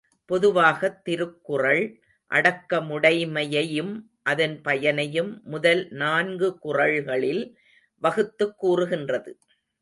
பொதுவாகத் திருக்குறள் அடக்கமுடைமையையும் அதன் பயனையும் முதல் நான்கு குறள்களில் வகுத்துக் கூறுகின்றது.